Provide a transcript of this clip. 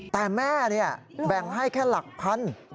แต่แม่เนี่ยแบ่งให้แค่หลักพันธุ์